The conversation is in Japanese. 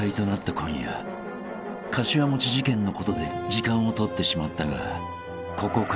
今夜かしわ餅事件のことで時間を取ってしまったが］